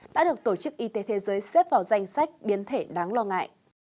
đã được tổ chức y tế thế giới xếp vào danh sách biến thể đáng lo ngại